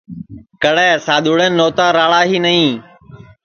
کڑے سادؔوݪین نوتا راݪا ہی نائی